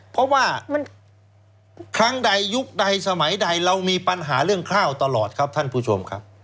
เพราะว่าครั้งใดยุคใดสมัยใดเรามีปัญหาเรื่องข้าวตลอดครับท่านผู้ชมครับ